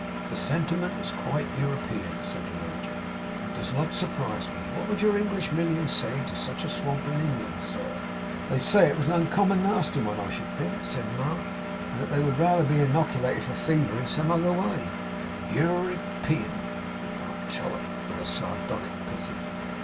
'The sentiment is quite Europian,' said the major, 'and does not surprise me; what would your English millions say to such a swamp in England, sir?' 'They'd say it was an uncommon nasty one, I should think, said Mark; 'and that they would rather be inoculated for fever in some other way.' 'Europian!' remarked Chollop, with sardonic pity.